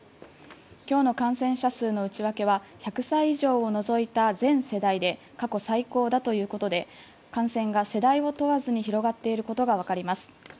今日の感染者数の内訳は１００歳以上を除いた全世代で過去最高だということで感染が世代を問わずに広がっていることが分かります。